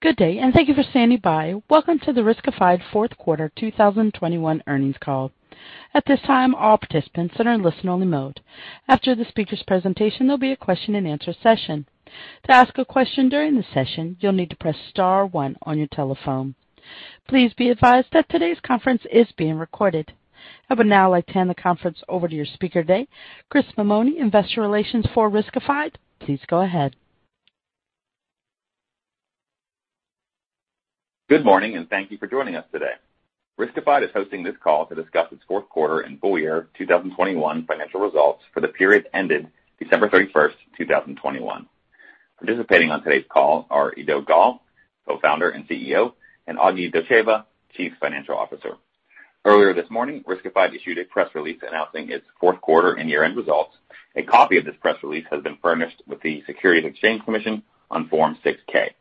Good day, and thank you for standing by. Welcome to the Riskified fourth quarter 2021 earnings call. At this time, all participants are in listen-only mode. After the speaker's presentation, there'll be a question-and-answer session. To ask a question during the session, you'll need to press star one on your telephone. Please be advised that today's conference is being recorded. I would now like to hand the conference over to your speaker today, Chris Mammone, Investor Relations for Riskified. Please go ahead. Good morning, and thank you for joining us today. Riskified is hosting this call to discuss its fourth quarter and full year 2021 financial results for the period ended December 31, 2021. Participating on today's call are Eido Gal, Co-Founder and CEO, and Aglika Dotcheva, Chief Financial Officer. Earlier this morning, Riskified issued a press release announcing its fourth quarter and year-end results. A copy of this press release has been furnished with the Securities Exchange Commission on Form 6-K.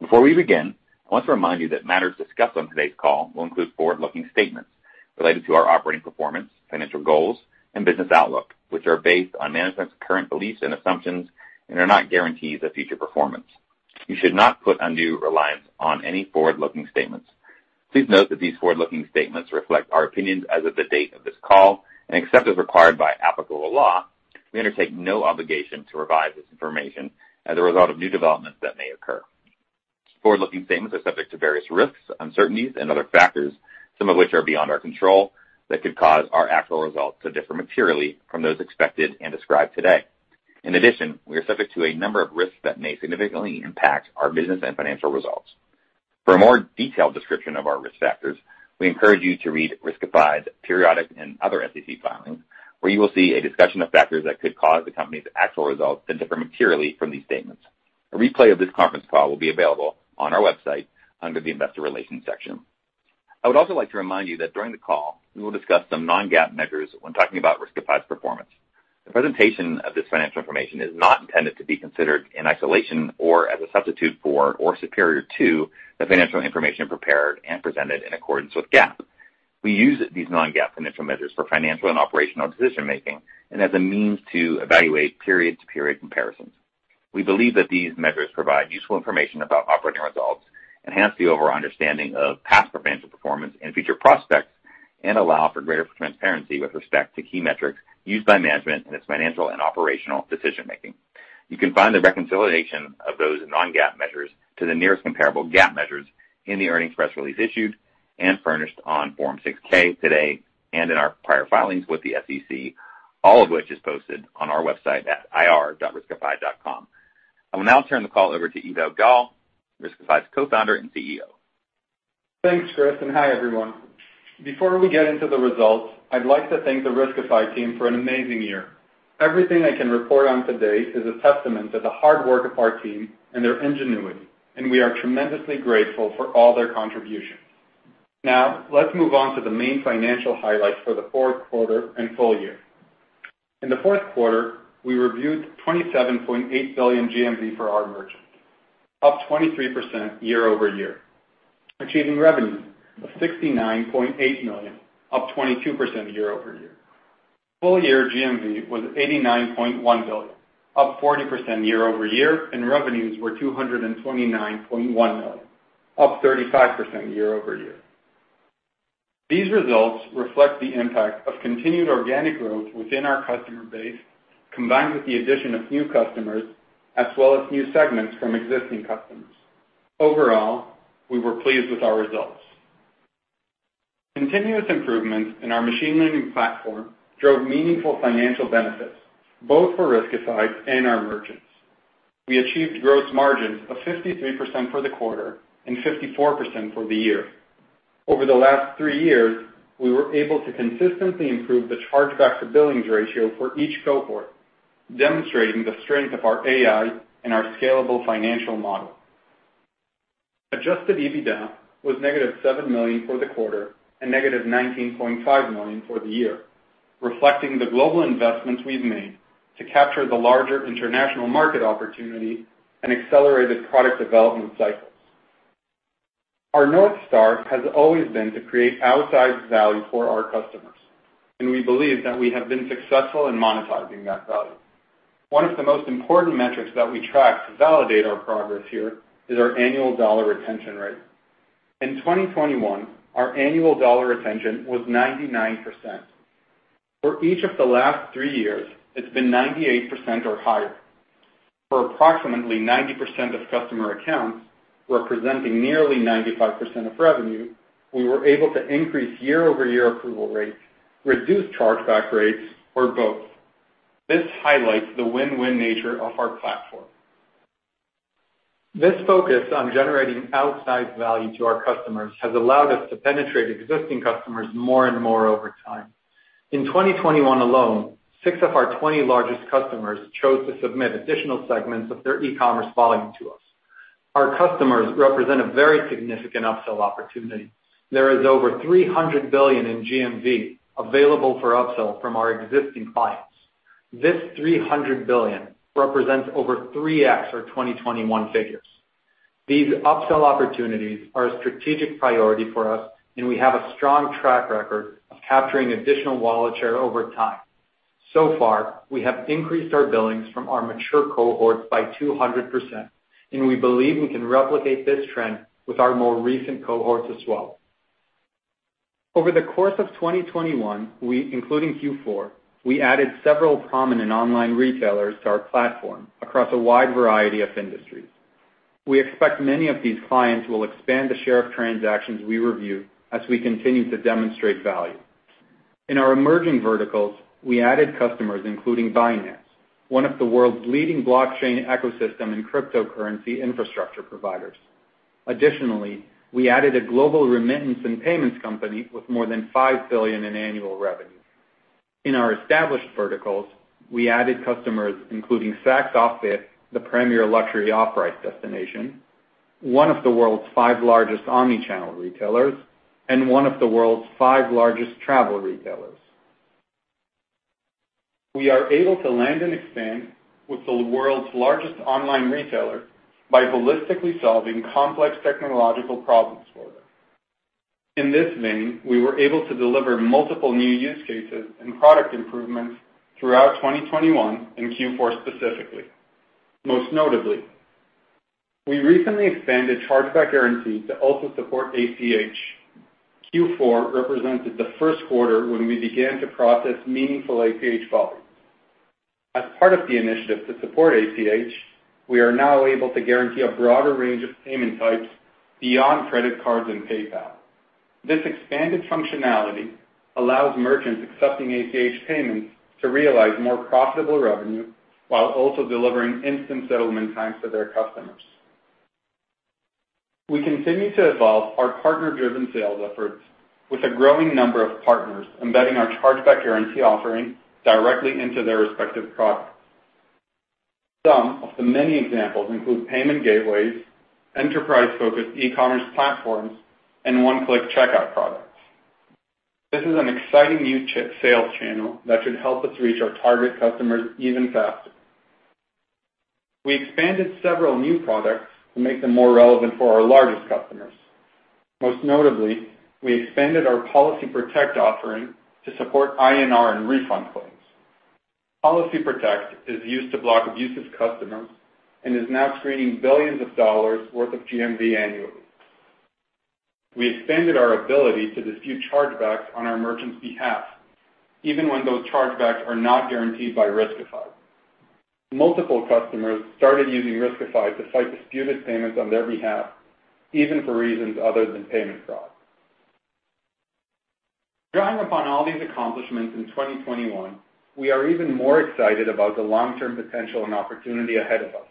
Before we begin, I want to remind you that matters discussed on today's call will include forward-looking statements related to our operating performance, financial goals, and business outlook, which are based on management's current beliefs and assumptions and are not guarantees of future performance. You should not put undue reliance on any forward-looking statements. Please note that these forward-looking statements reflect our opinions as of the date of this call, and except as required by applicable law, we undertake no obligation to revise this information as a result of new developments that may occur. Forward-looking statements are subject to various risks, uncertainties, and other factors, some of which are beyond our control that could cause our actual results to differ materially from those expected and described today. In addition, we are subject to a number of risks that may significantly impact our business and financial results. For a more detailed description of our risk factors, we encourage you to read Riskified's periodic and other SEC filings, where you will see a discussion of factors that could cause the company's actual results to differ materially from these statements. A replay of this conference call will be available on our website under the Investor Relations section. I would also like to remind you that during the call, we will discuss some non-GAAP measures when talking about Riskified's performance. The presentation of this financial information is not intended to be considered in isolation or as a substitute for or superior to the financial information prepared and presented in accordance with GAAP. We use these non-GAAP financial measures for financial and operational decision-making and as a means to evaluate period-to-period comparisons. We believe that these measures provide useful information about operating results, enhance the overall understanding of past financial performance and future prospects, and allow for greater transparency with respect to key metrics used by management in its financial and operational decision-making. You can find the reconciliation of those non-GAAP measures to the nearest comparable GAAP measures in the earnings press release issued and furnished on Form 6-K today and in our prior filings with the SEC, all of which is posted on our website at ir.riskified.com. I will now turn the call over to Eido Gal, Riskified's Co-Founder and CEO. Thanks, Chris, and hi, everyone. Before we get into the results, I'd like to thank the Riskified team for an amazing year. Everything I can report on today is a testament to the hard work of our team and their ingenuity, and we are tremendously grateful for all their contributions. Now, let's move on to the main financial highlights for the fourth quarter and full year. In the fourth quarter, we reviewed $27.8 billion GMV for our merchants, up 23% year-over-year, achieving revenue of $69.8 million, up 22% year-over-year. Full year GMV was $89.1 billion, up 40% year-over-year, and revenues were $229.1 million, up 35% year-over-year. These results reflect the impact of continued organic growth within our customer base, combined with the addition of new customers as well as new segments from existing customers. Overall, we were pleased with our results. Continuous improvements in our machine learning platform drove meaningful financial benefits both for Riskified and our merchants. We achieved gross margins of 53% for the quarter and 54% for the year. Over the last three years, we were able to consistently improve the chargeback to billings ratio for each cohort, demonstrating the strength of our AI and our scalable financial model. Adjusted EBITDA was -$7 million for the quarter and -$19.5 million for the year, reflecting the global investments we've made to capture the larger international market opportunity and accelerated product development cycles. Our North Star has always been to create outsized value for our customers, and we believe that we have been successful in monetizing that value. One of the most important metrics that we track to validate our progress here is our annual dollar retention rate. In 2021, our annual dollar retention was 99%. For each of the last three years, it's been 98% or higher. For approximately 90% of customer accounts, representing nearly 95% of revenue, we were able to increase year-over-year approval rates, reduce chargeback rates or both. This highlights the win-win nature of our platform. This focus on generating outsized value to our customers has allowed us to penetrate existing customers more and more over time. In 2021 alone, six of our 20 largest customers chose to submit additional segments of their e-commerce volume to us. Our customers represent a very significant upsell opportunity. There is over $300 billion in GMV available for upsell from our existing clients. This $300 billion represents over 3x our 2021 figures. These upsell opportunities are a strategic priority for us, and we have a strong track record of capturing additional wallet share over time. So far, we have increased our billings from our mature cohorts by 200%, and we believe we can replicate this trend with our more recent cohorts as well. Over the course of 2021, including Q4, we added several prominent online retailers to our platform across a wide variety of industries. We expect many of these clients will expand the share of transactions we review as we continue to demonstrate value. In our emerging verticals, we added customers including Binance, one of the world's leading blockchain ecosystem and cryptocurrency infrastructure providers. Additionally, we added a global remittance and payments company with more than $5 billion in annual revenue. In our established verticals, we added customers including Saks OFF 5TH, the premier luxury off-price destination, one of the world's five largest omni-channel retailers, and one of the world's five largest travel retailers. We are able to land and expand with the world's largest online retailer by holistically solving complex technological problems for them. In this vein, we were able to deliver multiple new use cases and product improvements throughout 2021 and Q4 specifically. Most notably, we recently expanded Chargeback Guarantee to also support ACH. Q4 represented the first quarter when we began to process meaningful ACH volumes. As part of the initiative to support ACH, we are now able to guarantee a broader range of payment types beyond credit cards and PayPal. This expanded functionality allows merchants accepting ACH payments to realize more profitable revenue while also delivering instant settlement times to their customers. We continue to evolve our partner-driven sales efforts with a growing number of partners embedding our Chargeback Guarantee offering directly into their respective products. Some of the many examples include payment gateways, enterprise-focused e-commerce platforms, and one-click checkout products. This is an exciting new sales channel that should help us reach our target customers even faster. We expanded several new products to make them more relevant for our largest customers. Most notably, we expanded our Policy Protect offering to support INR and refund claims. Policy Protect is used to block abusive customers and is now screening billions of dollars worth of GMV annually. We expanded our ability to dispute chargebacks on our merchants' behalf, even when those chargebacks are not guaranteed by Riskified. Multiple customers started using Riskified to fight disputed payments on their behalf, even for reasons other than payment fraud. Drawing upon all these accomplishments in 2021, we are even more excited about the long-term potential and opportunity ahead of us.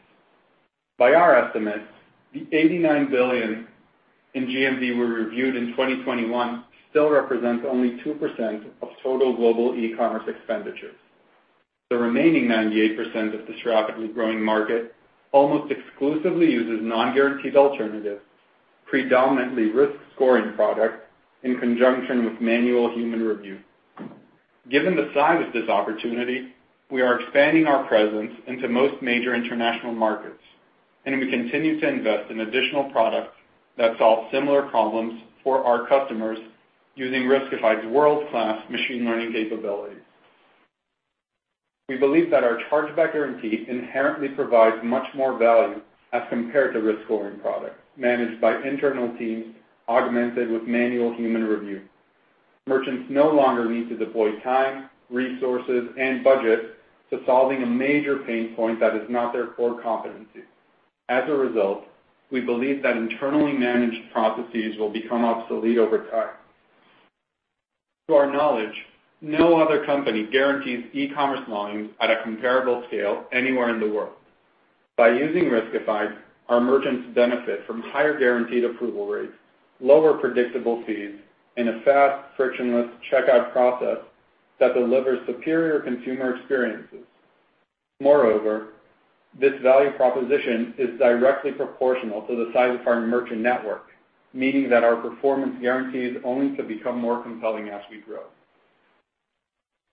By our estimates, the $89 billion in GMV we reviewed in 2021 still represents only 2% of total global e-commerce expenditures. The remaining 98% of this rapidly growing market almost exclusively uses non-guaranteed alternatives, predominantly risk scoring products in conjunction with manual human review. Given the size of this opportunity, we are expanding our presence into most major international markets, and we continue to invest in additional products that solve similar problems for our customers using Riskified's world-class machine learning capabilities. We believe that our Chargeback Guarantee inherently provides much more value as compared to risk scoring products managed by internal teams augmented with manual human review. Merchants no longer need to deploy time, resources, and budget to solving a major pain point that is not their core competency. As a result, we believe that internally managed processes will become obsolete over time. To our knowledge, no other company guarantees e-commerce volumes at a comparable scale anywhere in the world. By using Riskified, our merchants benefit from higher guaranteed approval rates, lower predictable fees, and a fast, frictionless checkout process that delivers superior consumer experiences. Moreover, this value proposition is directly proportional to the size of our merchant network, meaning that our performance guarantees only could become more compelling as we grow.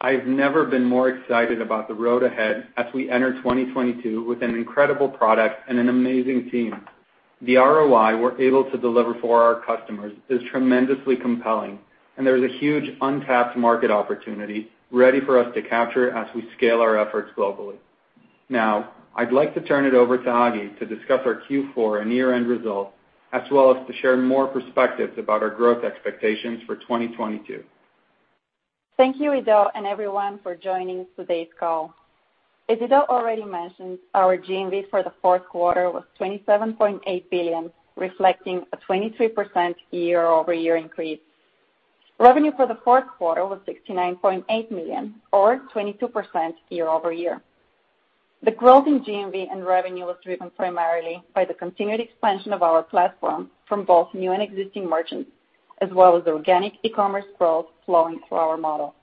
I have never been more excited about the road ahead as we enter 2022 with an incredible product and an amazing team. The ROI we're able to deliver for our customers is tremendously compelling, and there's a huge untapped market opportunity ready for us to capture as we scale our efforts globally. Now I'd like to turn it over to Aglika to discuss our Q4 and year-end results, as well as to share more perspectives about our growth expectations for 2022. Thank you, Eido, and everyone for joining today's call. As Eido already mentioned, our GMV for the fourth quarter was $27.8 billion, reflecting a 23% year-over-year increase. Revenue for the fourth quarter was $69.8 million or 22% year-over-year. The growth in GMV and revenue was driven primarily by the continued expansion of our platform from both new and existing merchants, as well as organic e-commerce growth flowing through our model.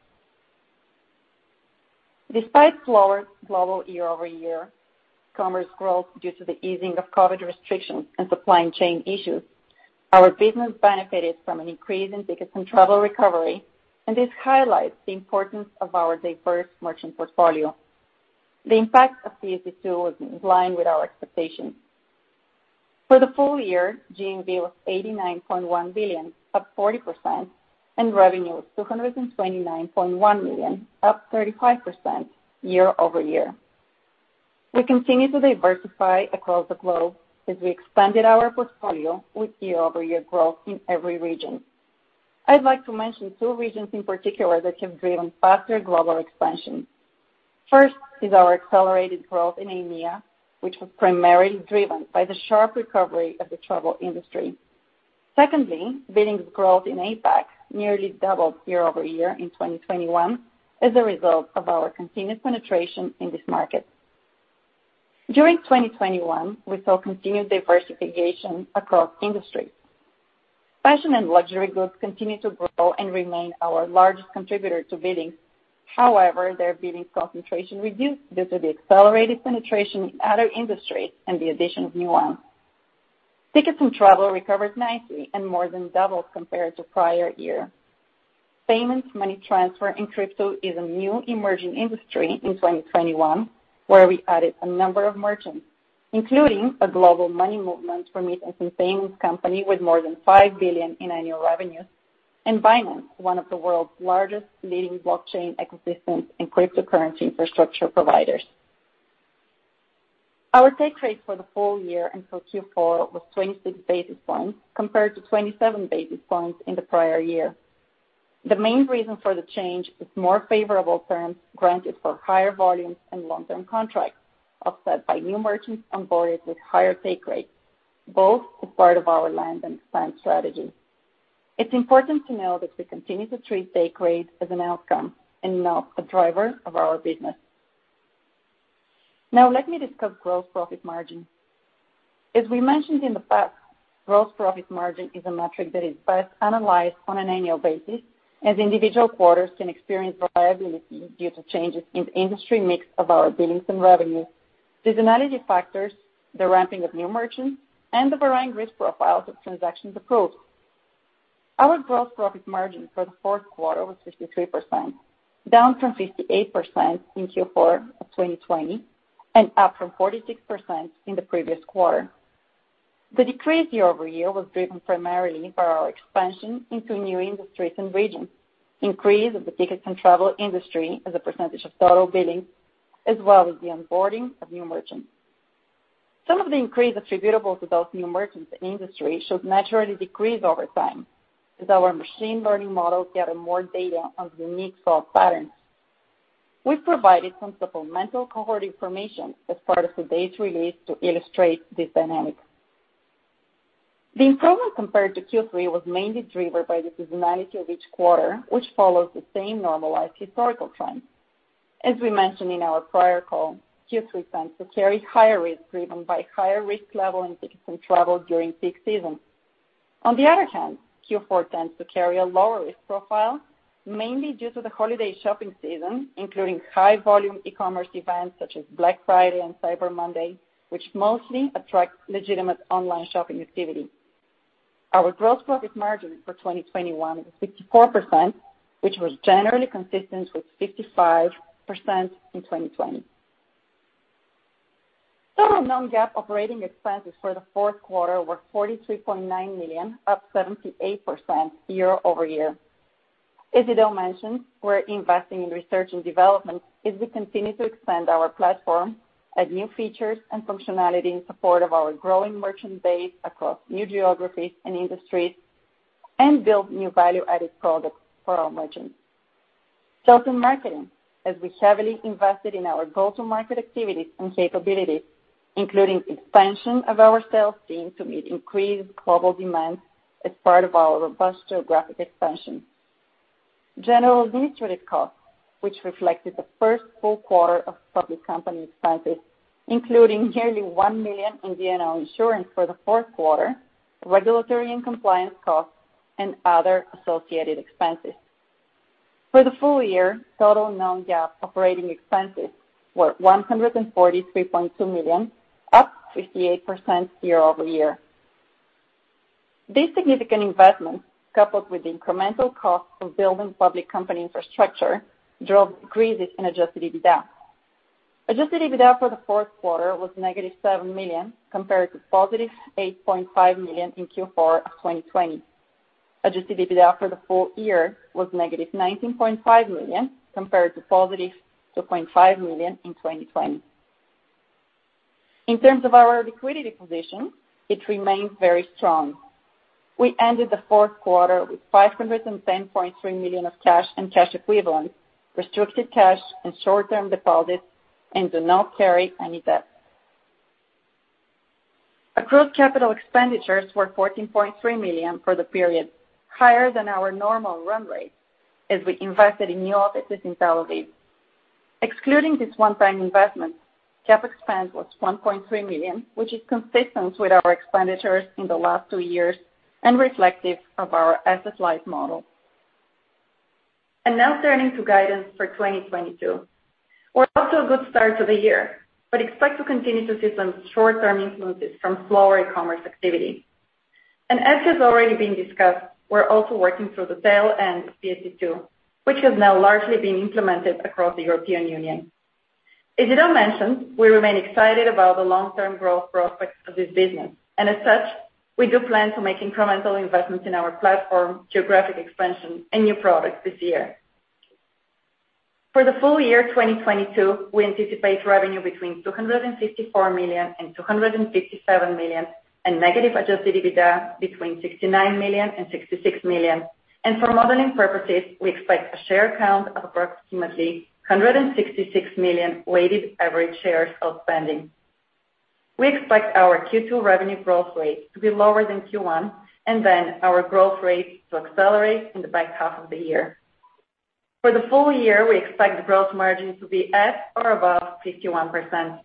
Despite slower global year-over-year commerce growth due to the easing of COVID restrictions and supply chain issues, our business benefited from an increase in tickets and travel recovery, and this highlights the importance of our diverse merchant portfolio. The impact of PCI DSS was in line with our expectations. For the full year, GMV was $89.1 billion, up 40%, and revenue was $229.1 million, up 35% year-over-year. We continue to diversify across the globe as we expanded our portfolio with year-over-year growth in every region. I'd like to mention two regions in particular that have driven faster global expansion. First is our accelerated growth in EMEA, which was primarily driven by the sharp recovery of the travel industry. Secondly, billings growth in APAC nearly doubled year-over-year in 2021 as a result of our continued penetration in this market. During 2021, we saw continued diversification across industries. Fashion and luxury goods continue to grow and remain our largest contributor to billings. However, their billings concentration reduced due to the accelerated penetration in other industries and the addition of new ones. Tickets and travel recovered nicely and more than doubled compared to prior year. Payments, money transfer, and crypto is a new emerging industry in 2021, where we added a number of merchants, including a global money movement firm company with more than $5 billion in annual revenues, and Binance, one of the world's largest leading blockchain ecosystems and cryptocurrency infrastructure providers. Our take rate for the full year and for Q4 was 26 basis points, compared to 27 basis points in the prior year. The main reason for the change is more favorable terms granted for higher volumes and long-term contracts, offset by new merchants onboarded with higher take rates, both as part of our land and expand strategy. It's important to note that we continue to treat take rate as an outcome and not a driver of our business. Now let me discuss gross profit margin. As we mentioned in the past, gross profit margin is a metric that is best analyzed on an annual basis, as individual quarters can experience variability due to changes in the industry mix of our billings and revenue, seasonality factors, the ramping of new merchants, and the varying risk profiles of transactions approved. Our gross profit margin for the fourth quarter was 53%, down from 58% in Q4 of 2020, and up from 46% in the previous quarter. The decrease year-over-year was driven primarily by our expansion into new industries and regions, increase of the tickets and travel industry as a percentage of total billings, as well as the onboarding of new merchants. Some of the increase attributable to those new merchants and industry should naturally decrease over time as our machine learning models gather more data on unique fraud patterns. We've provided some supplemental cohort information as part of today's release to illustrate this dynamic. The improvement compared to Q3 was mainly driven by the seasonality of each quarter, which follows the same normalized historical trend. As we mentioned in our prior call, Q3 tends to carry higher risk driven by higher risk level in tickets and travel during peak season. On the other hand, Q4 tends to carry a lower risk profile, mainly due to the holiday shopping season, including high volume e-commerce events such as Black Friday and Cyber Monday, which mostly attract legitimate online shopping activity. Our gross profit margin for 2021 is 64%, which was generally consistent with 55% in 2020. Total non-GAAP operating expenses for the fourth quarter were $43.9 million, up 78% year-over-year. As Eido mentioned, we're investing in research and development as we continue to expand our platform, add new features and functionality in support of our growing merchant base across new geographies and industries, and build new value-added products for our merchants. Sales and marketing, as we heavily invested in our go-to-market activities and capabilities, including expansion of our sales team to meet increased global demand as part of our robust geographic expansion. General administrative costs, which reflected the first full quarter of public company expenses, including nearly $1 million in D&O insurance for the fourth quarter, regulatory and compliance costs, and other associated expenses. For the full year, total non-GAAP operating expenses were $143.2 million, up 58% year-over-year. These significant investments, coupled with the incremental costs of building public company infrastructure, drove decreases in Adjusted EBITDA. Adjusted EBITDA for the fourth quarter was negative $7 million, compared to positive $8.5 million in Q4 of 2020. Adjusted EBITDA for the full year was negative $19.5 million, compared to positive $2.5 million in 2020. In terms of our liquidity position, it remains very strong. We ended the fourth quarter with $510.3 million of cash and cash equivalents, restricted cash and short-term deposits, and do not carry any debt. Our gross capital expenditures were $14.3 million for the period, higher than our normal run rate, as we invested in new offices in Tel Aviv. Excluding this one-time investment, CapEx spend was $1.3 million, which is consistent with our expenditures in the last two years and reflective of our asset light model. Now turning to guidance for 2022. We're off to a good start to the year, but expect to continue to see some short-term influences from slower e-commerce activity. As has already been discussed, we're also working through the SCA and PSD2, which has now largely been implemented across the European Union. As Eido mentioned, we remain excited about the long-term growth prospects of this business. As such, we do plan to make incremental investments in our platform, geographic expansion, and new products this year. For the full year 2022, we anticipate revenue between $254 million and $257 million, and negative adjusted EBITDA between $69 million and $66 million. For modeling purposes, we expect a share count of approximately 166 million weighted average shares outstanding. We expect our Q2 revenue growth rate to be lower than Q1, and then our growth rate to accelerate in the back half of the year. For the full year, we expect gross margin to be at or above 51%.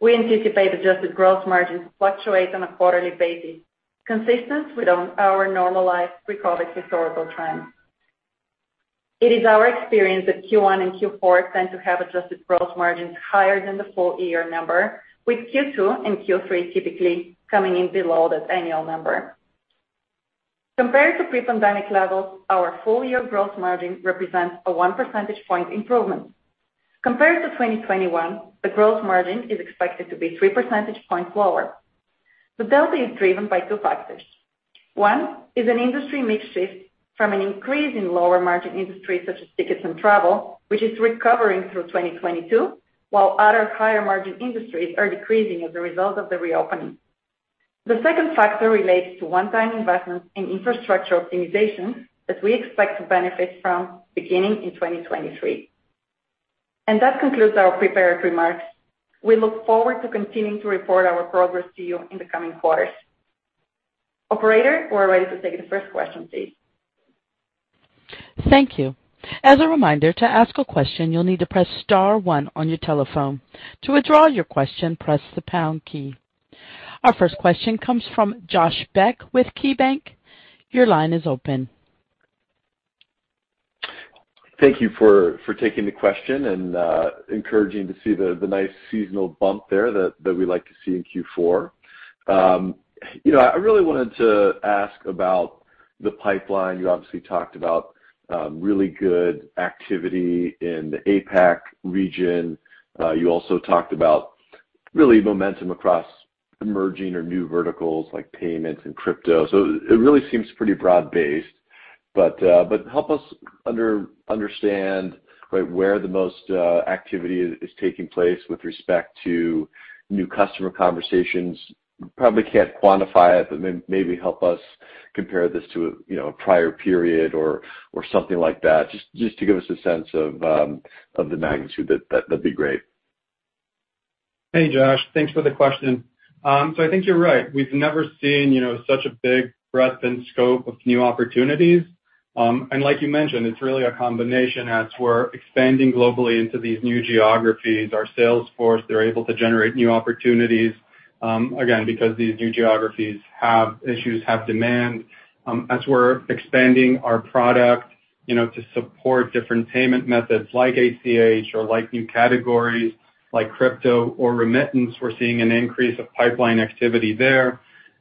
We anticipate adjusted gross margin to fluctuate on a quarterly basis, consistent with our normalized pre-COVID historical trends. It is our experience that Q1 and Q4 tend to have adjusted gross margins higher than the full year number, with Q2 and Q3 typically coming in below that annual number. Compared to pre-pandemic levels, our full year gross margin represents a 1 percentage point improvement. Compared to 2021, the gross margin is expected to be 3 percentage points lower. The delta is driven by two factors. One is an industry mix shift from an increase in lower margin industries such as tickets and travel, which is recovering through 2022, while other higher margin industries are decreasing as a result of the reopening. The second factor relates to one-time investments in infrastructure optimization that we expect to benefit from beginning in 2023. That concludes our prepared remarks. We look forward to continuing to report our progress to you in the coming quarters. Operator, we're ready to take the first question please. Thank you. As a reminder, to ask a question, you'll need to press star one on your telephone. To withdraw your question, press the pound key. Our first question comes from Josh Beck with KeyBanc. Your line is open. Thank you for taking the question, and encouraging to see the nice seasonal bump there that we like to see in Q4. You know, I really wanted to ask about the pipeline. You obviously talked about really good activity in the APAC region. You also talked about real momentum across emerging or new verticals like payments and crypto. It really seems pretty broad-based. Help us understand, right, where the most activity is taking place with respect to new customer conversations. Probably can't quantify it, but maybe help us compare this to a prior period or something like that, just to give us a sense of the magnitude. That'd be great. Hey, Josh. Thanks for the question. I think you're right. We've never seen, you know, such a big breadth and scope of new opportunities. Like you mentioned, it's really a combination as we're expanding globally into these new geographies. Our sales force, they're able to generate new opportunities, again, because these new geographies have issues, have demand. As we're expanding our product, you know, to support different payment methods like ACH or like new categories like crypto or remittance, we're seeing an increase of pipeline activity there,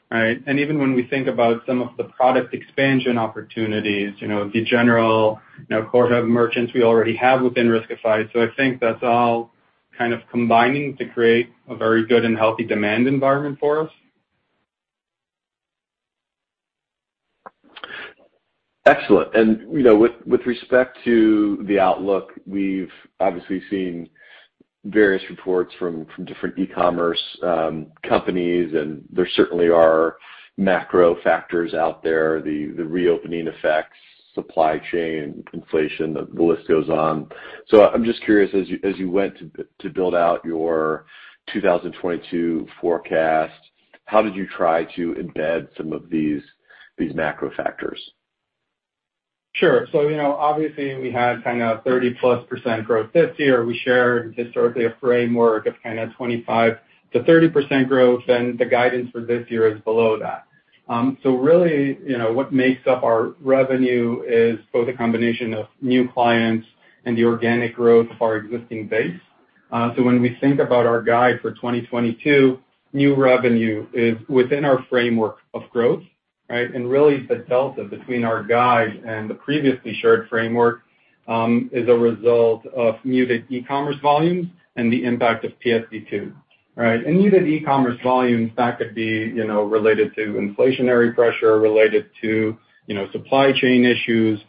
right? Even when we think about some of the product expansion opportunities, you know, the general, you know, core hub merchants we already have within Riskified. I think that's all kind of combining to create a very good and healthy demand environment for us. Excellent. You know, with respect to the outlook, we've obviously seen various reports from different e-commerce companies, and there certainly are macro factors out there, the reopening effects, supply chain, inflation, the list goes on. So I'm just curious, as you went to build out your 2022 forecast, how did you try to embed some of these macro factors? Sure. You know, obviously we had kind of 30+% growth this year. We shared historically a framework of kind of 25%-30% growth, and the guidance for this year is below that. Really, you know, what makes up our revenue is both a combination of new clients and the organic growth of our existing base. When we think about our guide for 2022, new revenue is within our framework of growth, right? Really the delta between our guide and the previously shared framework is a result of muted e-commerce volumes and the impact of PSD2, right? Muted e-commerce volumes, that could be, you know, related to inflationary pressure, related to, you know, supply chain issues,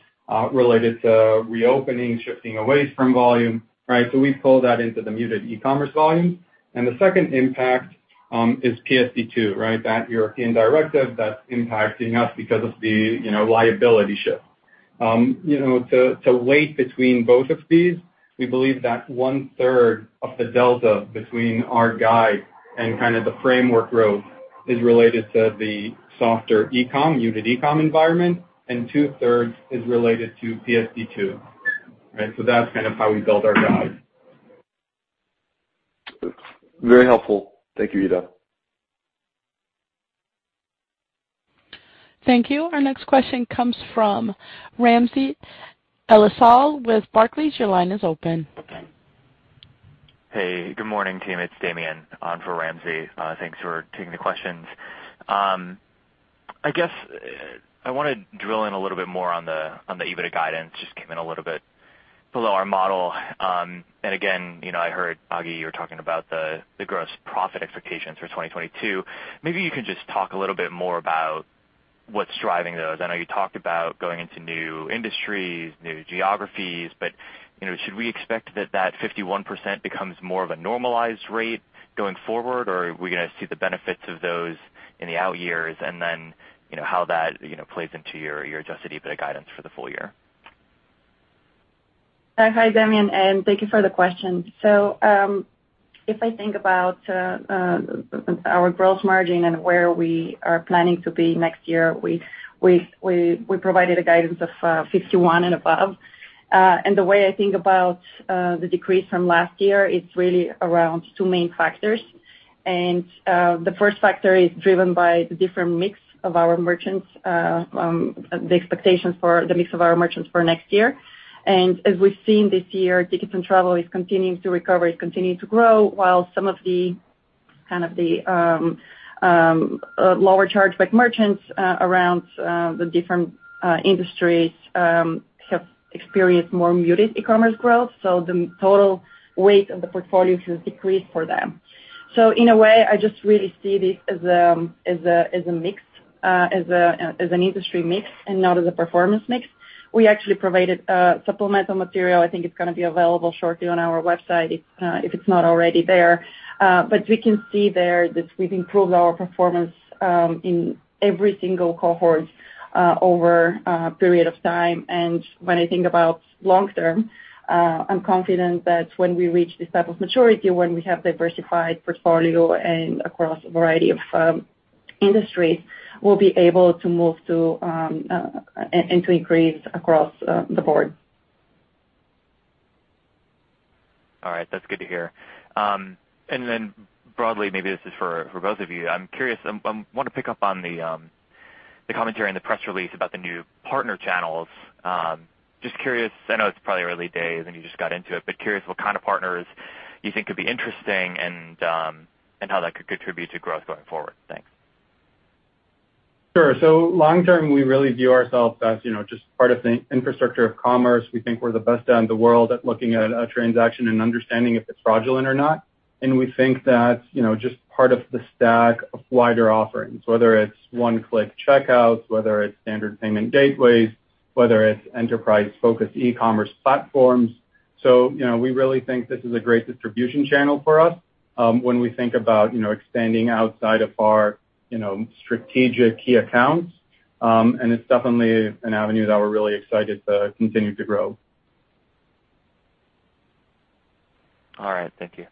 related to reopening, shifting away from volume, right? We pull that into the muted e-commerce volumes. The second impact is PSD2, right? That European directive that's impacting us because of the, you know, liability shift. You know, to weigh between both of these, we believe that one-third of the delta between our guide and kind of the framework growth is related to the softer e-com, muted e-com environment, and two-thirds is related to PSD2. Right? That's kind of how we build our guide. Very helpful. Thank you, Eido. Thank you. Our next question comes from Ramsey El-Assal with Barclays. Your line is open. Hey, good morning, team. It's Damian on for Ramsey. Thanks for taking the questions. I guess I want to drill in a little bit more on the EBITDA guidance. Just came in a little bit below our model. Again, you know, I heard, Agi, you were talking about the gross profit expectations for 2022. Maybe you can just talk a little bit more about what's driving those. I know you talked about going into new industries, new geographies, but, you know, should we expect that 51% becomes more of a normalized rate going forward? Or are we gonna see the benefits of those in the out years, and then, you know, how that plays into your adjusted EBITDA guidance for the full year? Hi, Damian, and thank you for the question. If I think about our gross margin and where we are planning to be next year, we provided a guidance of 51% and above. The way I think about the decrease from last year is really around two main factors. The first factor is driven by the different mix of our merchants, the expectations for the mix of our merchants for next year. As we've seen this year, tickets and travel is continuing to recover, is continuing to grow, while some of the, kind of the, lower chargeback merchants around the different industries have experienced more muted e-commerce growth. The total weight of the portfolio has decreased for them. In a way, I just really see this as an industry mix and not as a performance mix. We actually provided supplemental material. I think it's gonna be available shortly on our website if it's not already there. We can see there that we've improved our performance in every single cohort over a period of time. When I think about long term, I'm confident that when we reach this type of maturity, when we have diversified portfolio and across a variety of industries, we'll be able to move to and to increase across the board. All right, that's good to hear. Broadly, maybe this is for both of you. I'm curious, wanna pick up on the commentary in the press release about the new partner channels. Just curious, I know it's probably early days, and you just got into it, but curious what kind of partners you think could be interesting and how that could contribute to growth going forward. Thanks. Sure. Long term, we really view ourselves as, you know, just part of the infrastructure of commerce. We think we're the best in the world at looking at a transaction and understanding if it's fraudulent or not. We think that, you know, just part of the stack of wider offerings, whether it's one-click checkouts, whether it's standard payment gateways, whether it's enterprise-focused e-commerce platforms. You know, we really think this is a great distribution channel for us, when we think about, you know, expanding outside of our, you know, strategic key accounts. It's definitely an avenue that we're really excited to continue to grow. All right. Thank you.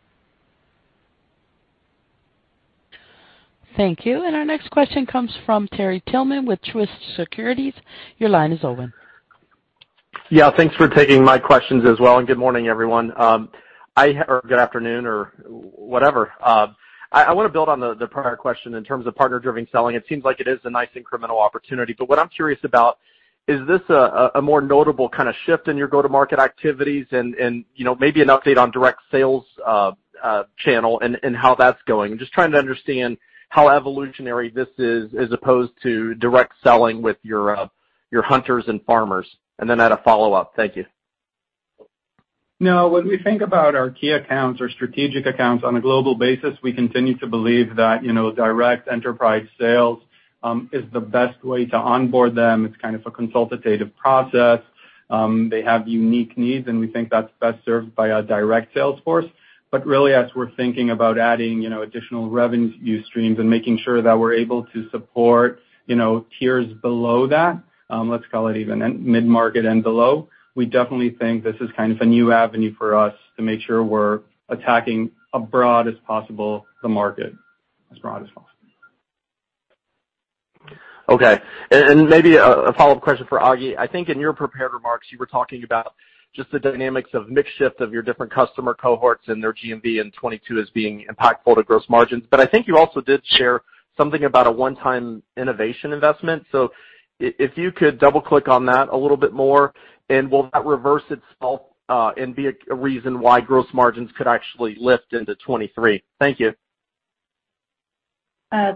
Thank you. Our next question comes from Terry Tillman with Truist Securities. Your line is open. Yeah, thanks for taking my questions as well, and good morning, everyone. Or good afternoon or whatever. I wanna build on the prior question in terms of partner-driven selling. It seems like it is a nice incremental opportunity. What I'm curious about, is this a more notable kinda shift in your go-to-market activities and, you know, maybe an update on direct sales channel and how that's going? I'm just trying to understand how evolutionary this is as opposed to direct selling with your hunters and farmers. I had a follow-up. Thank you. No, when we think about our key accounts or strategic accounts on a global basis, we continue to believe that, you know, direct enterprise sales is the best way to onboard them. It's kind of a consultative process. They have unique needs, and we think that's best served by a direct sales force. Really, as we're thinking about adding, you know, additional revenue streams and making sure that we're able to support, you know, tiers below that, let's call it even mid-market and below, we definitely think this is kind of a new avenue for us to make sure we're attacking as broad as possible the market. Okay. Maybe a follow-up question for Aglika. I think in your prepared remarks, you were talking about just the dynamics of mix shift of your different customer cohorts and their GMV in 2022 as being impactful to gross margins. I think you also did share something about a one-time innovation investment. If you could double-click on that a little bit more, and will that reverse itself, and be a reason why gross margins could actually lift into 2023? Thank you.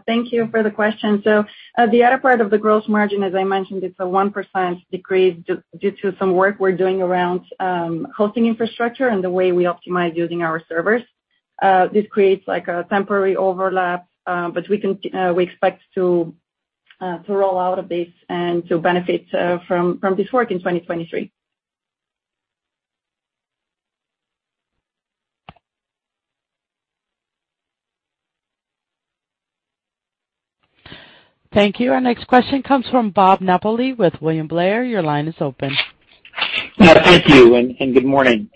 Thank you for the question. The other part of the gross margin, as I mentioned, it's a 1% decrease due to some work we're doing around hosting infrastructure and the way we optimize using our servers. This creates like a temporary overlap, but we expect to roll out of this and to benefit from this work in 2023. Thank you. Our next question comes from Bob Napoli with William Blair. Your line is open. Thank you, and good morning.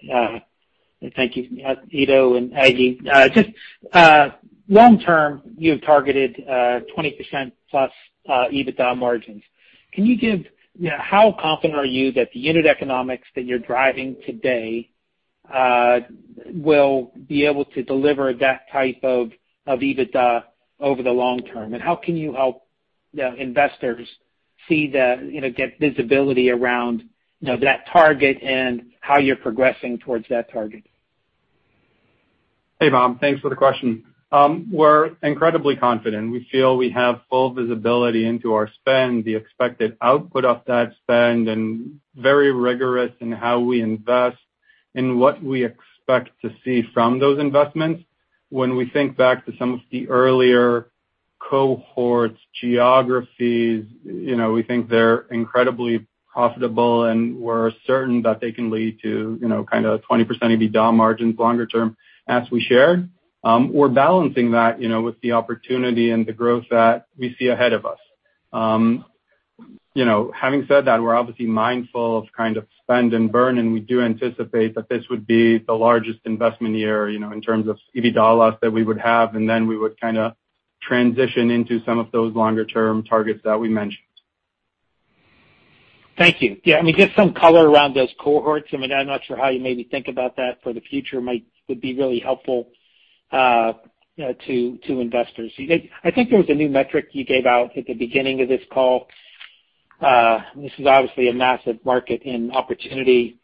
Thank you, Eido and Aglika. Just long term, you have targeted 20%+ EBITDA margins. Can you give you know how confident are you that the unit economics that you're driving today will be able to deliver that type of EBITDA over the long term? How can you help you know investors see the you know get visibility around you know that target and how you're progressing towards that target? Hey, Bob. Thanks for the question. We're incredibly confident. We feel we have full visibility into our spend, the expected output of that spend, and very rigorous in how we invest in what we expect to see from those investments. When we think back to some of the earlier cohorts, geographies, you know, we think they're incredibly profitable, and we're certain that they can lead to, you know, kind of 20% EBITDA margins longer term as we shared. We're balancing that, you know, with the opportunity and the growth that we see ahead of us. You know, having said that, we're obviously mindful of kind of spend and burn, and we do anticipate that this would be the largest investment year, you know, in terms of EBITDA loss that we would have, and then we would kinda transition into some of those longer-term targets that we mentioned. Thank you. Yeah, I mean, just some color around those cohorts. I mean, I'm not sure how you maybe think about that for the future would be really helpful to investors. I think there was a new metric you gave out at the beginning of this call. This is obviously a massive market and opportunity,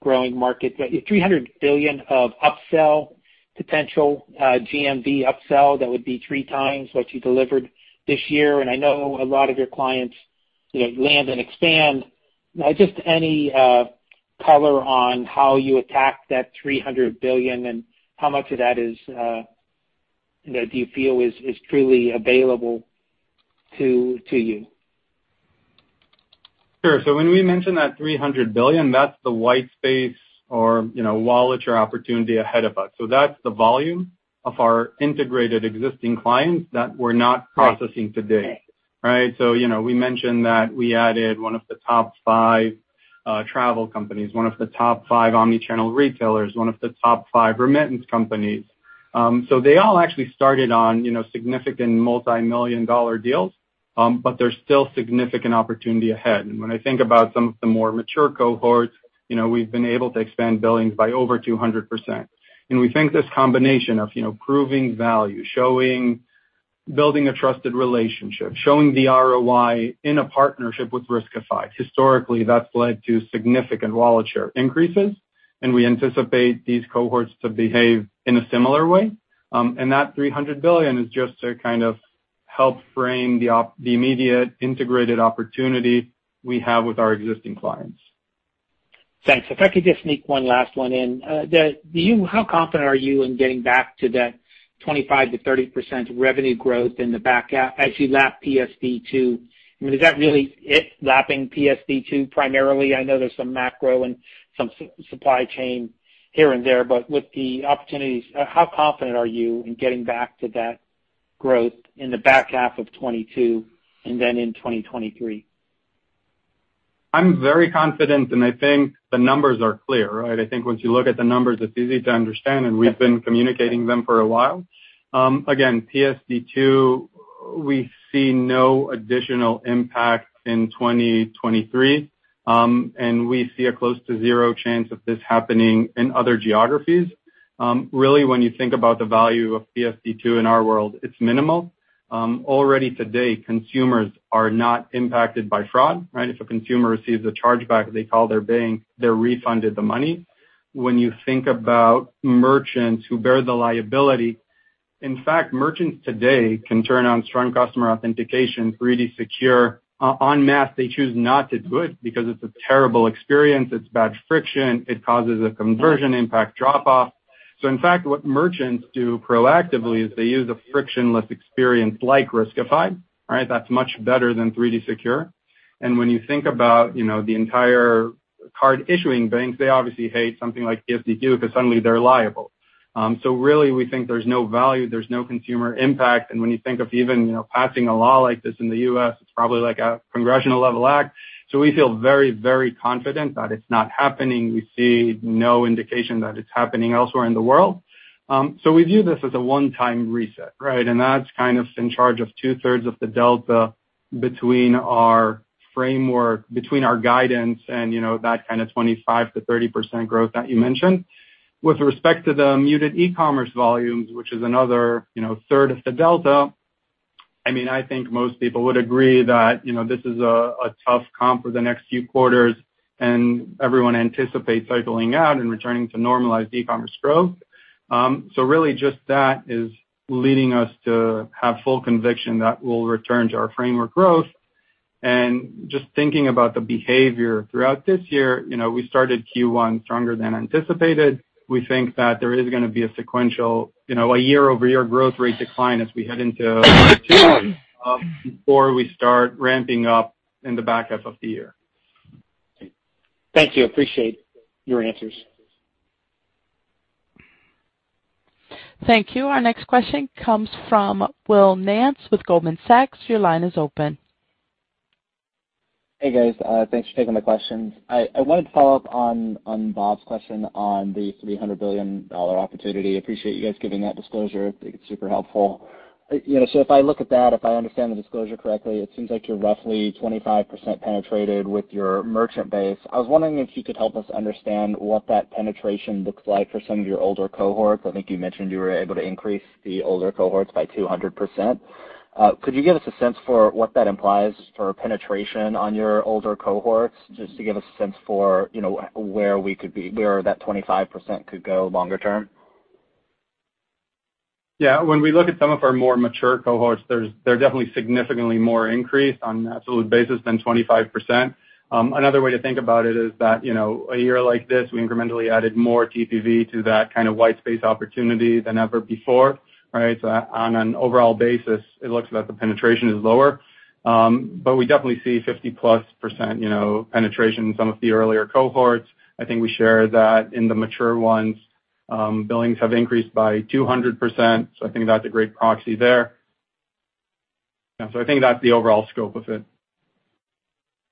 growing market. $300 billion of upsell potential, GMV upsell, that would be three times what you delivered this year. I know a lot of your clients, you know, land and expand. Just any color on how you attack that $300 billion and how much of that is, you know, do you feel is truly available to you? Sure. When we mention that $300 billion, that's the white space or, you know, wallet share opportunity ahead of us. That's the volume of our integrated existing clients that we're not processing today, right? You know, we mentioned that we added one of the top five travel companies, one of the top five omni-channel retailers, one of the top five remittance companies. They all actually started on, you know, significant multi-million-dollar deals, but there's still significant opportunity ahead. When I think about some of the more mature cohorts, you know, we've been able to expand billings by over 200%. We think this combination of, you know, proving value, showing building a trusted relationship, showing the ROI in a partnership with Riskified, historically, that's led to significant wallet share increases, and we anticipate these cohorts to behave in a similar way. That $300 billion is just to kind of help frame the immediate integrated opportunity we have with our existing clients. Thanks. If I could just sneak one last one in. How confident are you in getting back to that 25%-30% revenue growth in the back half as you lap PSD2? I mean, is that really it lapping PSD2 primarily? I know there's some macro and some supply chain here and there. With the opportunities, how confident are you in getting back to that growth in the back half of 2022 and then in 2023? I'm very confident, and I think the numbers are clear, right? I think once you look at the numbers, it's easy to understand, and we've been communicating them for a while. Again, PSD2, we see no additional impact in 2023, and we see a close to zero chance of this happening in other geographies. Really, when you think about the value of PSD2 in our world, it's minimal. Already today, consumers are not impacted by fraud, right? If a consumer receives a chargeback, they call their bank, they're refunded the money. When you think about merchants who bear the liability, in fact, merchants today can turn on strong customer authentication, 3D Secure. En masse, they choose not to do it because it's a terrible experience. It's bad friction. It causes a conversion impact drop off. In fact, what merchants do proactively is they use a frictionless experience like Riskified, right? That's much better than 3D Secure. When you think about, you know, the entire card issuing banks, they obviously hate something like PSD2 because suddenly they're liable. Really we think there's no value, there's no consumer impact. When you think of even, you know, passing a law like this in the U.S., it's probably like a congressional level act. We feel very, very confident that it's not happening. We see no indication that it's happening elsewhere in the world. We view this as a one-time reset, right? That's kind of accounts for two-thirds of the delta between our framework, between our guidance and, you know, that kind of 25%-30% growth that you mentioned. With respect to the muted e-commerce volumes, which is another, you know, third of the delta, I mean, I think most people would agree that, you know, this is a tough comp for the next few quarters, and everyone anticipates cycling out and returning to normalized e-commerce growth. So really just that is leading us to have full conviction that we'll return to our framework growth. Just thinking about the behavior throughout this year, you know, we started Q1 stronger than anticipated. We think that there is gonna be a sequential, you know, a year-over-year growth rate decline as we head into Q2, before we start ramping up in the back half of the year. Thank you. Appreciate your answers. Thank you. Our next question comes from William Nance with Goldman Sachs. Your line is open. Hey, guys. Thanks for taking my questions. I wanted to follow up on Bob's question on the $300 billion opportunity. Appreciate you guys giving that disclosure. Think it's super helpful. You know, so if I look at that, if I understand the disclosure correctly, it seems like you're roughly 25% penetrated with your merchant base. I was wondering if you could help us understand what that penetration looks like for some of your older cohorts. I think you mentioned you were able to increase the older cohorts by 200%. Could you give us a sense for what that implies for penetration on your older cohorts, just to give us a sense for, you know, where we could be, where that 25% could go longer term? Yeah. When we look at some of our more mature cohorts, they're definitely significantly more increased on an absolute basis than 25%. Another way to think about it is that, you know, a year like this, we incrementally added more TPV to that kind of white space opportunity than ever before, right? On an overall basis, it looks like the penetration is lower. We definitely see 50%+, you know, penetration in some of the earlier cohorts. I think we share that in the mature ones, billings have increased by 200%, so I think that's a great proxy there. Yeah, I think that's the overall scope of it.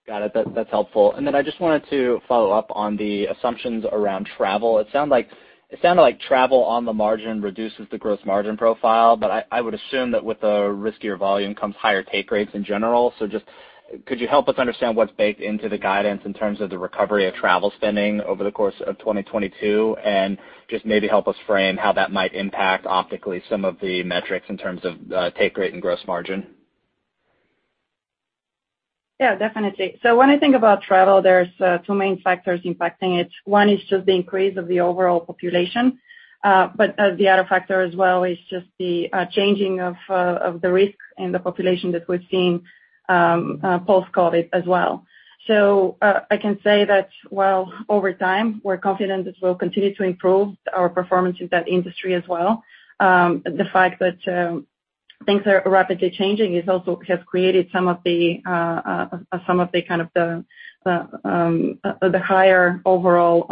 Got it. That's helpful. I just wanted to follow up on the assumptions around travel. It sounded like travel on the margin reduces the gross margin profile, but I would assume that with a riskier volume comes higher take rates in general. Just could you help us understand what's baked into the guidance in terms of the recovery of travel spending over the course of 2022? Just maybe help us frame how that might impact optically some of the metrics in terms of take rate and gross margin. Yeah, definitely. When I think about travel, there's two main factors impacting it. One is just the increase of the overall population. The other factor as well is just the changing of the risk in the population that we're seeing post-COVID as well. I can say that while over time, we're confident this will continue to improve our performance in that industry as well. The fact that things are rapidly changing has also created some of the higher overall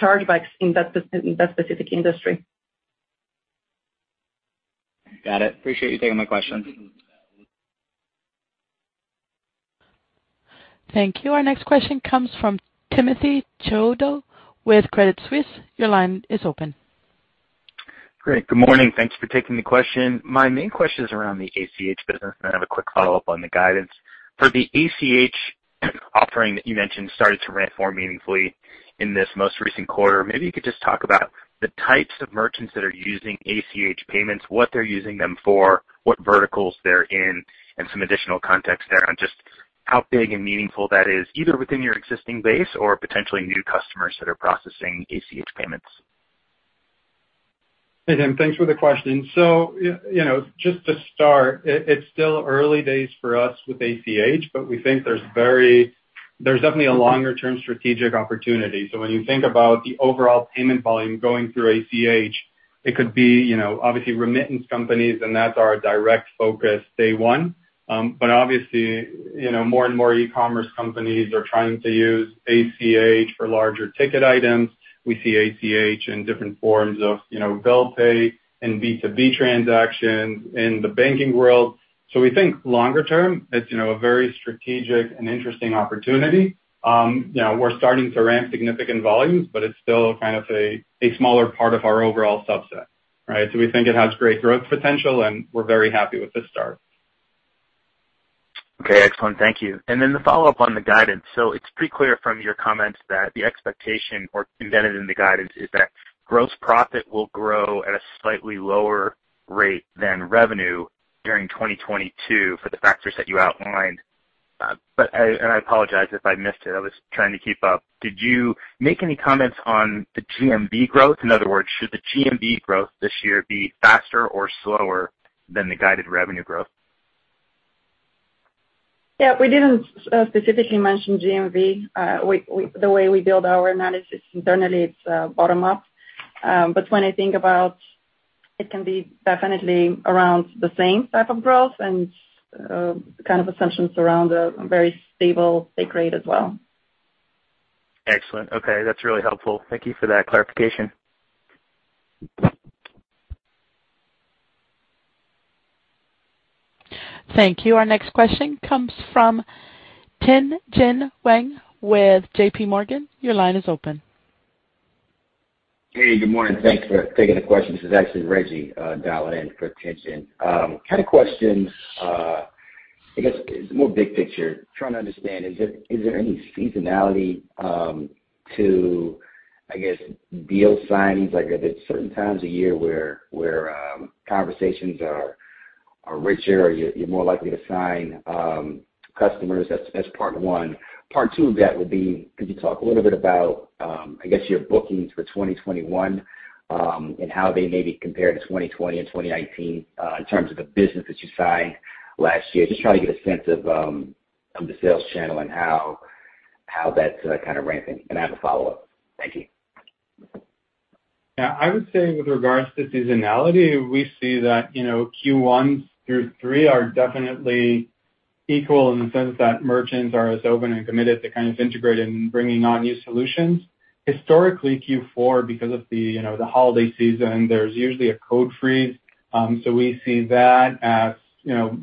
chargebacks in that specific industry. Got it. Appreciate you taking my question. Thank you. Our next question comes from Timothy Chiodo with Credit Suisse. Your line is open. Great. Good morning. Thanks for taking the question. My main question is around the ACH business, and I have a quick follow-up on the guidance. For the ACH offering that you mentioned started to ramp more meaningfully in this most recent quarter, maybe you could just talk about the types of merchants that are using ACH payments, what they're using them for, what verticals they're in, and some additional context there on just how big and meaningful that is, either within your existing base or potentially new customers that are processing ACH payments. Hey, Tim. Thanks for the question. You know, just to start, it's still early days for us with ACH, but we think there's definitely a longer term strategic opportunity. When you think about the overall payment volume going through ACH, it could be, you know, obviously remittance companies, and that's our direct focus day one. But obviously, you know, more and more e-commerce companies are trying to use ACH for larger ticket items. We see ACH in different forms of, you know, bill pay and B2B transactions in the banking world. We think longer term, it's, you know, a very strategic and interesting opportunity. You know, we're starting to ramp significant volumes, but it's still kind of a smaller part of our overall subset, right? We think it has great growth potential, and we're very happy with the start. Okay. Excellent. Thank you. The follow-up on the guidance. It's pretty clear from your comments that the expectation or intended in the guidance is that gross profit will grow at a slightly lower rate than revenue during 2022 for the factors that you outlined. I apologize if I missed it. I was trying to keep up. Did you make any comments on the GMV growth? In other words, should the GMV growth this year be faster or slower than the guided revenue growth? Yeah, we didn't specifically mention GMV. The way we build our analysis internally, it's bottom-up. When I think about it can be definitely around the same type of growth and kind of assumptions around a very stable take rate as well. Excellent. Okay. That's really helpful. Thank you for that clarification. Thank you. Our next question comes from Tien-Tsin Huang with JPMorgan. Your line is open. Hey, good morning. Thanks for taking the question. This is actually Reggie dialing in for Tien-Tsin. I have kind of questions, I guess it's more big picture. Trying to understand, is there any seasonality to, I guess, deal signings? Like are there certain times of year where conversations are richer, or you're more likely to sign customers? That's part one. Part two of that would be, could you talk a little bit about, I guess your bookings for 2021, and how they maybe compare to 2020 and 2019, in terms of the business that you signed last year? Just trying to get a sense of the sales channel and how that's kind of ramping. I have a follow-up. Thank you. Yeah. I would say with regards to seasonality, we see that, you know, Q1 through Q3 are definitely equal in the sense that merchants are as open and committed to kind of integrate in bringing on new solutions. Historically, Q4, because of the, you know, the holiday season, there's usually a code freeze. We see that as, you know,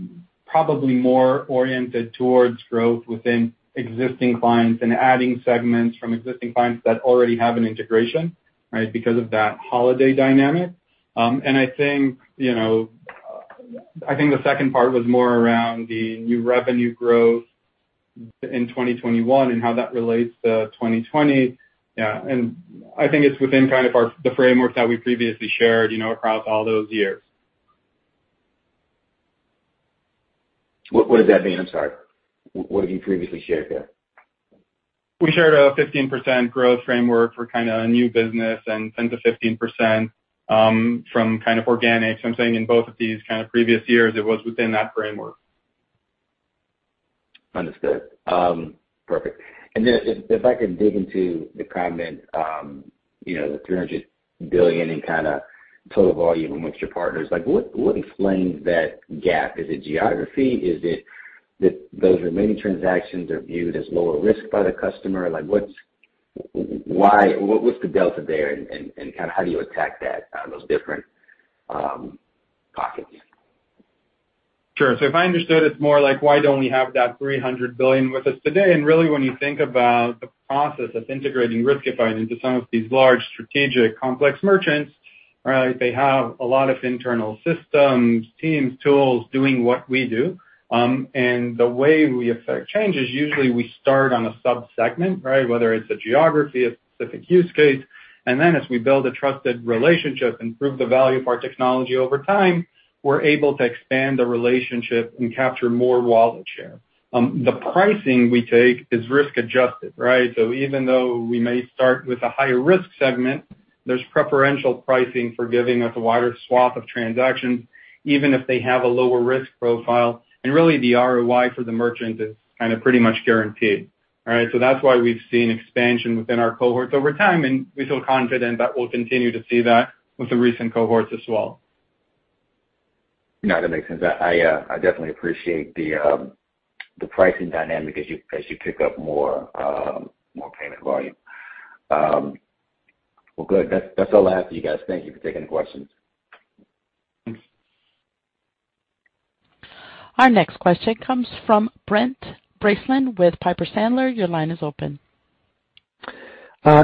probably more oriented towards growth within existing clients and adding segments from existing clients that already have an integration, right? Because of that holiday dynamic. I think the second part was more around the new revenue growth in 2021 and how that relates to 2020. Yeah, I think it's within kind of our, the framework that we previously shared, you know, across all those years. What does that mean? I'm sorry. What have you previously shared there? We shared a 15% growth framework for kinda new business and 10%-15% from kind of organic. I'm saying in both of these kind of previous years, it was within that framework. Understood. Perfect. Then if I could dig into the comment, you know, the $300 billion in kinda total volume among your partners, like what explains that gap? Is it geography? Is it that those remaining transactions are viewed as lower risk by the customer? Like, what's the delta there and kinda how do you attack that, those different pockets? Sure. If I understood, it's more like why do you only have that $300 billion with us today? Really, when you think about the process of integrating Riskified into some of these large strategic complex merchants, right? They have a lot of internal systems, teams, tools, doing what we do. The way we affect change is usually we start on a sub-segment, right? Whether it's a geography, a specific use case. Then as we build a trusted relationship and prove the value of our technology over time, we're able to expand the relationship and capture more wallet share. The pricing we take is risk-adjusted, right? Even though we may start with a higher risk segment, there's preferential pricing for giving us a wider swath of transactions, even if they have a lower risk profile. Really the ROI for the merchant is kinda pretty much guaranteed. All right? That's why we've seen expansion within our cohorts over time, and we feel confident that we'll continue to see that with the recent cohorts as well. No, that makes sense. I definitely appreciate the pricing dynamic as you pick up more payment volume. Well, good. That's all I have for you guys. Thank you for taking the questions. Thanks. Our next question comes from Brent Bracelin with Piper Sandler. Your line is open.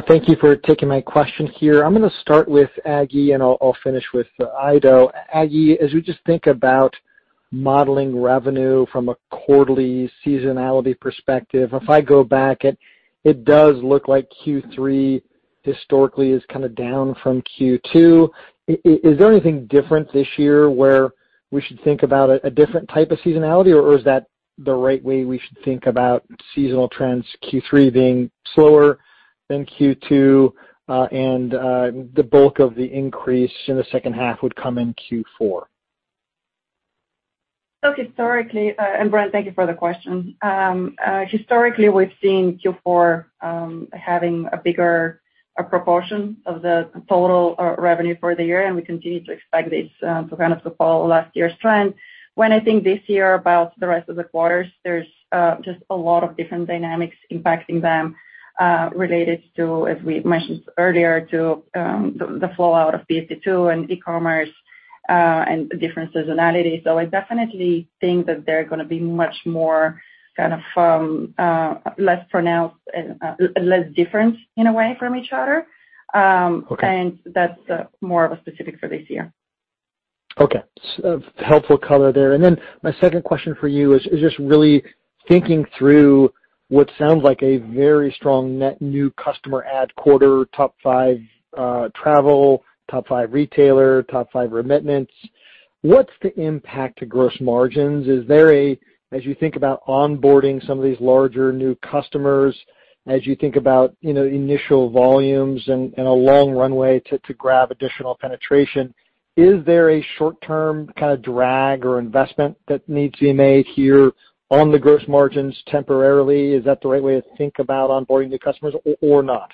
Thank you for taking my question here. I'm gonna start with Aglika, and I'll finish with Eido. Aggie, as we just think about modeling revenue from a quarterly seasonality perspective, if I go back, it does look like Q3 historically is kinda down from Q2. Is there anything different this year where we should think about a different type of seasonality, or is that the right way we should think about seasonal trends, Q3 being slower than Q2, and the bulk of the increase in the second half would come in Q4? Historically, and Brent, thank you for the question. Historically, we've seen Q4 having a bigger proportion of the total revenue for the year, and we continue to expect this to kind of follow last year's trend. When I think this year about the rest of the quarters, there's just a lot of different dynamics impacting them related to, as we mentioned earlier, to the fallout of PSD2 and e-commerce and different seasonality. I definitely think that they're gonna be much more kind of less pronounced and less different in a way from each other. Okay. That's more specific for this year. Okay. Helpful color there. My second question for you is just really thinking through what sounds like a very strong net new customer add quarter, top five travel, top five retailer, top five remittances. What's the impact to gross margins? Is there, as you think about onboarding some of these larger new customers, as you think about you know initial volumes and a long runway to grab additional penetration, a short-term kinda drag or investment that needs to be made here on the gross margins temporarily? Is that the right way to think about onboarding new customers or not?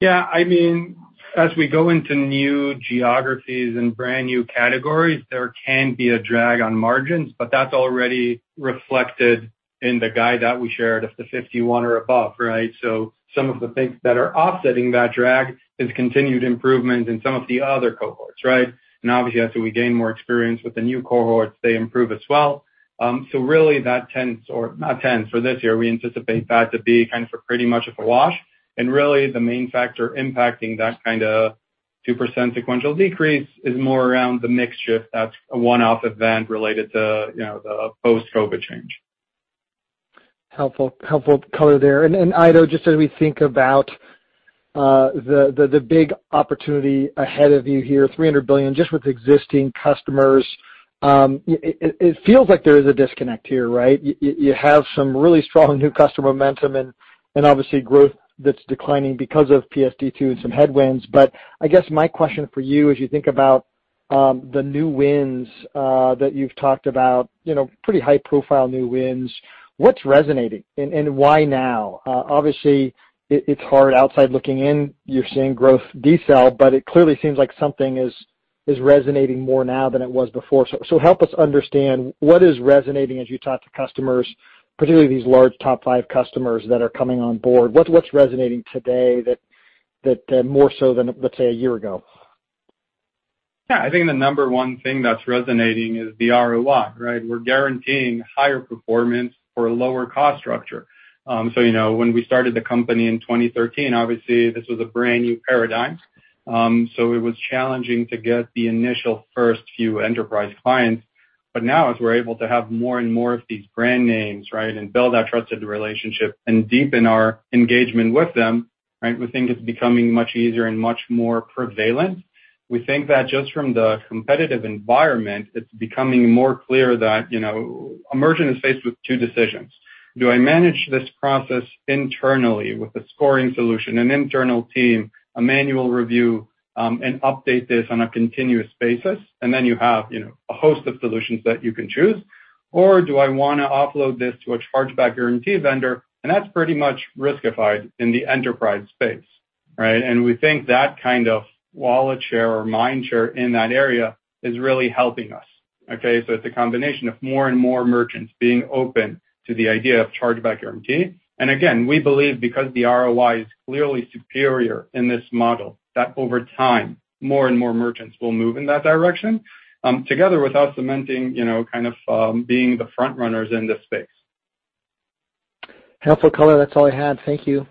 Yeah, I mean, as we go into new geographies and brand new categories, there can be a drag on margins, but that's already reflected in the guide that we shared of 51 or above, right? Some of the things that are offsetting that drag is continued improvement in some of the other cohorts, right? Obviously, as we gain more experience with the new cohorts, they improve as well. So really, for this year, we anticipate that to be kind of pretty much a wash. Really the main factor impacting that kinda 2% sequential decrease is more around the mix shift that's a one-off event related to, you know, the post-COVID change. Helpful color there. Eido, just as we think about the big opportunity ahead of you here, $300 billion just with existing customers, it feels like there is a disconnect here, right? You have some really strong new customer momentum and obviously growth that's declining because of PSD2 and some headwinds. I guess my question for you as you think about the new wins that you've talked about, you know, pretty high profile new wins. What's resonating and why now? Obviously it's hard outside looking in, you're seeing growth decel, but it clearly seems like something is resonating more now than it was before. Help us understand what is resonating as you talk to customers, particularly these large top five customers that are coming on board. What's resonating today that more so than, let's say, a year ago? Yeah. I think the number one thing that's resonating is the ROI, right? We're guaranteeing higher performance for a lower cost structure. You know, when we started the company in 2013, obviously this was a brand new paradigm. It was challenging to get the initial first few enterprise clients. Now, as we're able to have more and more of these brand names, right, and build that trusted relationship and deepen our engagement with them, right, we think it's becoming much easier and much more prevalent. We think that just from the competitive environment, it's becoming more clear that, you know, a merchant is faced with two decisions. Do I manage this process internally with a scoring solution, an internal team, a manual review, and update this on a continuous basis? Then you have, you know, a host of solutions that you can choose. Do I wanna offload this to a chargeback guarantee vendor? That's pretty much Riskified in the enterprise space, right? We think that kind of wallet share or mind share in that area is really helping us, okay? It's a combination of more and more merchants being open to the idea of chargeback guarantee. Again, we believe because the ROI is clearly superior in this model, that over time, more and more merchants will move in that direction, together with us cementing, you know, kind of, being the front runners in this space. Helpful color. That's all I had. Thank you.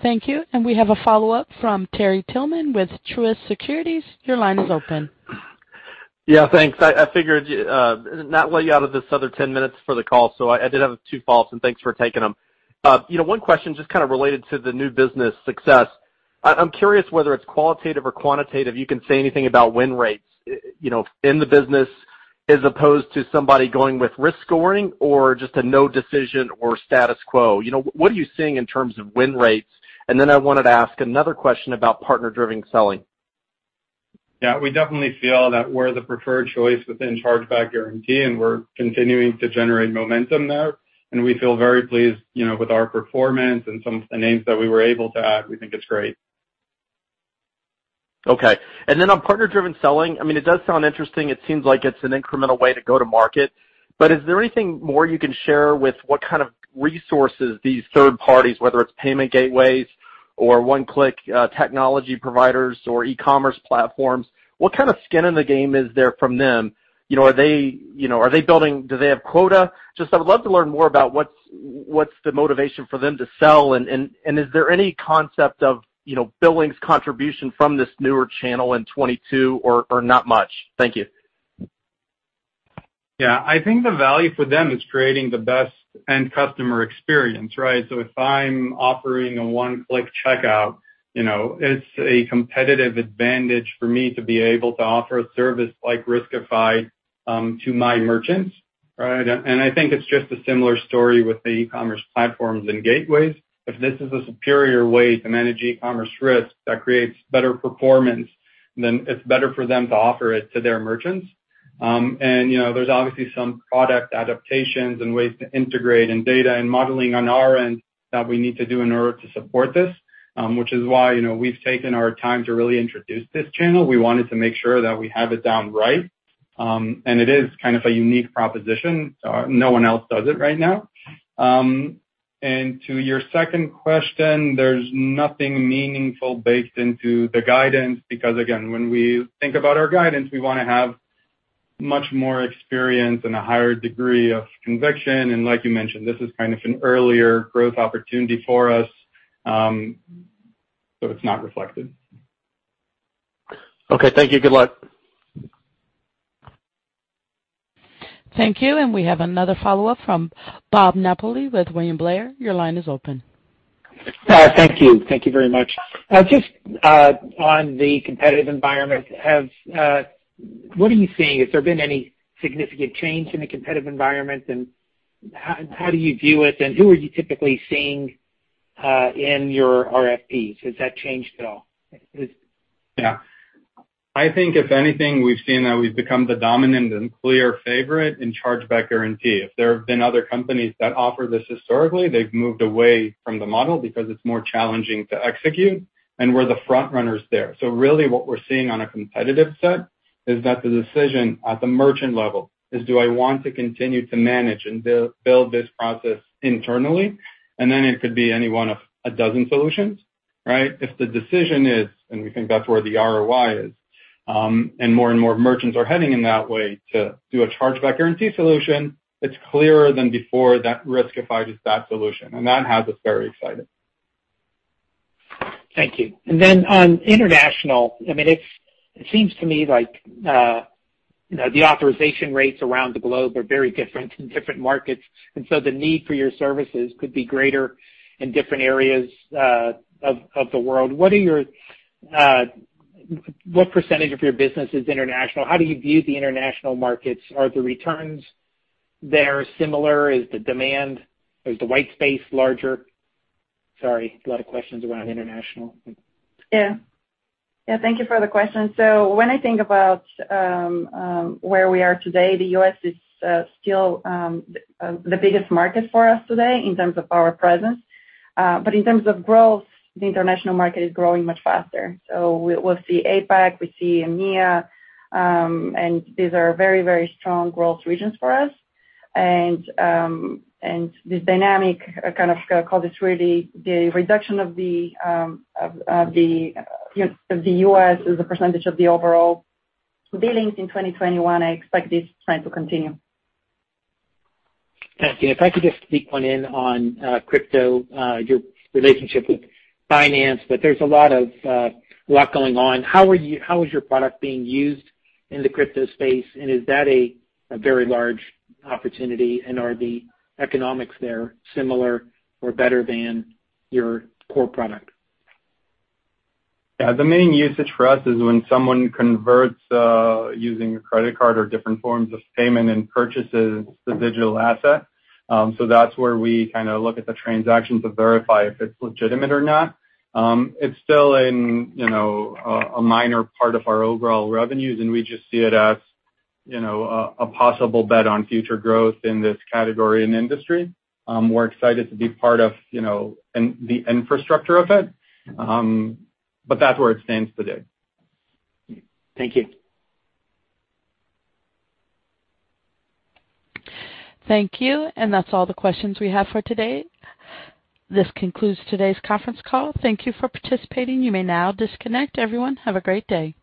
Thank you. We have a follow-up from Terry Tillman with Truist Securities. Your line is open. Yeah, thanks. I figured not let you out of this other 10 minutes for the call, so I did have two follows, and thanks for taking them. You know, one question just kind of related to the new business success. I'm curious whether it's qualitative or quantitative. You can say anything about win rates, you know, in the business as opposed to somebody going with risk scoring or just a no decision or status quo. You know, what are you seeing in terms of win rates? I wanted to ask another question about partner-driven selling. Yeah, we definitely feel that we're the preferred choice within Chargeback Guarantee, and we're continuing to generate momentum there. We feel very pleased, you know, with our performance and some of the names that we were able to add. We think it's great. Okay. On partner-driven selling, I mean, it does sound interesting. It seems like it's an incremental way to go to market. Is there anything more you can share with what kind of resources these third parties, whether it's payment gateways or one-click technology providers or e-commerce platforms, what kind of skin in the game is there from them? You know, are they, you know, are they building—do they have quota? Just I would love to learn more about what's the motivation for them to sell. Is there any concept of, you know, billings contribution from this newer channel in 2022 or not much? Thank you. Yeah. I think the value for them is creating the best end customer experience, right? If I'm offering a one-click checkout, you know, it's a competitive advantage for me to be able to offer a service like Riskified to my merchants, right? I think it's just a similar story with the e-commerce platforms and gateways. If this is a superior way to manage e-commerce risk that creates better performance, then it's better for them to offer it to their merchants. You know, there's obviously some product adaptations and ways to integrate and data and modeling on our end that we need to do in order to support this, which is why, you know, we've taken our time to really introduce this channel. We wanted to make sure that we have it down right. It is kind of a unique proposition. No one else does it right now. To your second question, there's nothing meaningful baked into the guidance because again, when we think about our guidance, we wanna have much more experience and a higher degree of conviction. Like you mentioned, this is kind of an earlier growth opportunity for us. It's not reflected. Okay, thank you. Good luck. Thank you. We have another follow-up from Bob Napoli with William Blair. Your line is open. Thank you. Thank you very much. Just on the competitive environment, what are you seeing? Has there been any significant change in the competitive environment, and how do you view it, and who are you typically seeing in your RFPs? Has that changed at all? Yeah. I think if anything, we've seen that we've become the dominant and clear favorite in Chargeback Guarantee. If there have been other companies that offer this historically, they've moved away from the model because it's more challenging to execute, and we're the front runners there. Really what we're seeing on a competitive set is that the decision at the merchant level is do I want to continue to manage and build this process internally? Then it could be any one of a dozen solutions, right? If the decision is, and we think that's where the ROI is, and more and more merchants are heading in that way to do a Chargeback Guarantee solution, it's clearer than before that Riskified is that solution, and that has us very excited. Thank you. On international, I mean, it seems to me like, you know, the authorization rates around the globe are very different in different markets, and so the need for your services could be greater in different areas of the world. What percentage of your business is international? How do you view the international markets? Are the returns there similar? Is the white space larger? Sorry, a lot of questions around international. Yeah, thank you for the question. When I think about where we are today, the U.S. is still the biggest market for us today in terms of our presence. But in terms of growth, the international market is growing much faster. We'll see APAC, we see EMEA, and these are very, very strong growth regions for us. This dynamic kind of sales mix is really the reduction of the, you know, of the U.S. as a percentage of the overall billings in 2021. I expect this trend to continue. Thank you. If I could just sneak one in on crypto, your relationship with Binance, but there's a lot going on. How is your product being used in the crypto space, and is that a very large opportunity, and are the economics there similar or better than your core product? Yeah. The main usage for us is when someone converts using a credit card or different forms of payment and purchases the digital asset. That's where we kinda look at the transaction to verify if it's legitimate or not. It's still in, you know, a minor part of our overall revenues, and we just see it as, you know, a possible bet on future growth in this category and industry. We're excited to be part of, you know, the infrastructure of it. That's where it stands today. Thank you. Thank you. That's all the questions we have for today. This concludes today's conference call. Thank you for participating. You may now disconnect. Everyone, have a great day.